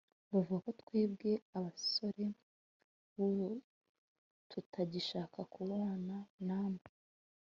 bavuga ko twebwe abasore b'ubu tutagishaka kubana na mwe